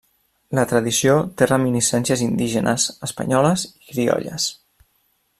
La tradició té reminiscències indígenes, espanyoles i criolles.